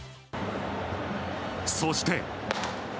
そして。